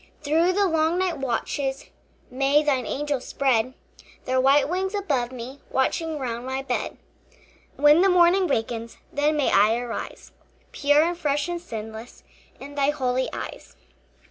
Through the long night watches May thine angels spread Their white wings above me, Watching round my bed. When the morning wakens, Then may I arise Pure and fresh and sinless In thy holy eyes.